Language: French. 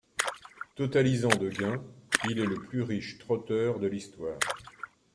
Totalisant de gains, il est le plus riche trotteur de l'histoire.